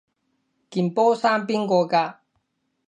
件波衫邊個㗎？